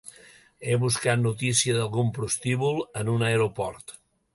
He buscat notícia d'algun prostíbul en un aeroport.